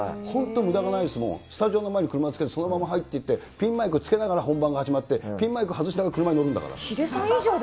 本当、むだがないですよ、スタジオの前に車つけて、そのまま入っていって、ピンマイクつけながら本番が始まって、ピンマイク外しながら車に行くんだもん。